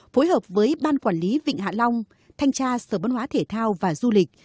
phối hợp với ban quản lý vịnh hạ long thanh tra sở văn hóa thể thao và du lịch